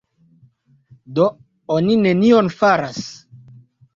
Do oni nenion faras.